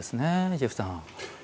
ジェフさん。